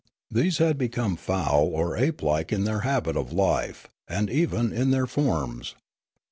These had become foul or ape like in their habit of life and even in their forms.